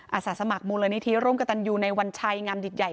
อาสาสมัครมูลนิธิร่วมกับตันยูในวันชัยงามดิตใหญ่